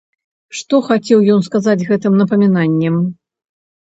Што хацеў ён сказаць гэтым напамінаннем?